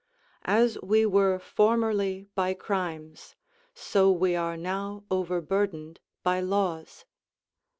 ["As we were formerly by crimes, so we are now overburdened by laws."